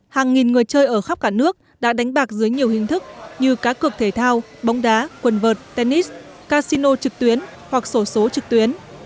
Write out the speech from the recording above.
hàng nghìn người chơi ở khắp cả nước đã đánh bạc dưới nhiều hình thức như cá cược thể thao bóng đá quần vợt tennis casino trực tuyến hoặc sổ số trực tuyến